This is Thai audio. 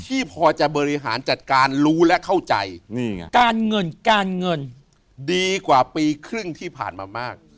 ที่พอจะบริหารจัดการรู้และเข้าใจการเงินการเงินดีกว่าปีครึ่งที่ผ่านมามาก